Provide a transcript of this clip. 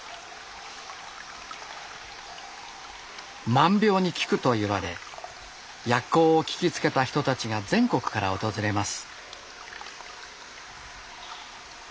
万病に効くといわれ薬効を聞きつけた人たちが全国から訪れます。